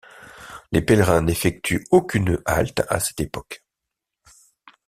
Les pèlerins n'effectuent aucune halte à cette époque.